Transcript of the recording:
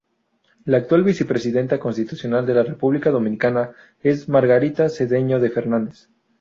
La actual Vicepresidenta constitucional de la República Dominicana es Margarita Cedeño de Fernández.